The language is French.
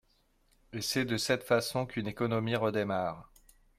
Et c’est de cette façon qu’une économie redémarre.